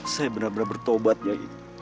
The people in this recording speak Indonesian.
saya benar benar bertobat ya